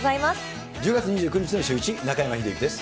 １０月２９日のシューイチ、中山秀征です。